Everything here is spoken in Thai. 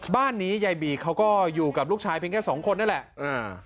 บ้านนี้ยายบีเขาก็อยู่กับลูกชายเพียงแค่สองคนนั่นแหละอ่า